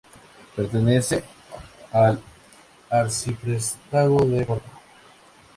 Pertenece al arciprestazgo de Horta.